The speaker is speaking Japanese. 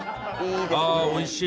ああおいしい！